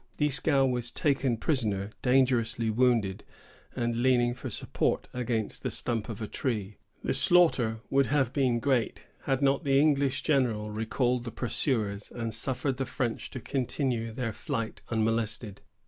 Dieskau was taken prisoner, dangerously wounded, and leaning for support against the stump of a tree. The slaughter would have been great, had not the English general recalled the pursuers, and suffered the French to continue their flight unmolested.